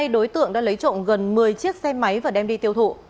hai đối tượng đã lấy trộm gần một mươi chiếc xe máy và đem đi tiêu thụ